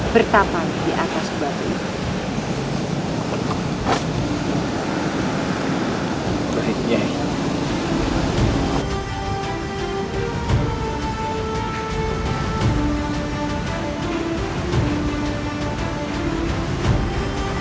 bertapan di atas batu